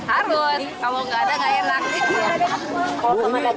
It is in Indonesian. harut kalau nggak ada nggak enak